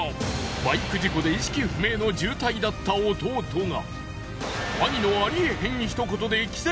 バイク事故で意識不明の重体だった弟が。